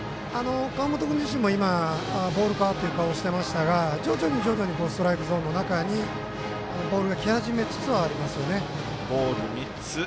川本君自身もボールかなという顔していましたから徐々にストライクゾーンの中にボールが来始めつつはあるんです。